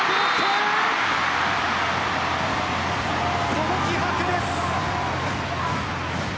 この気迫です。